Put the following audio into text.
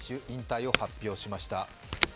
引退を発表しました。